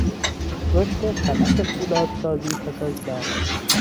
رشد صنعت فولاد سازی پس از جنگ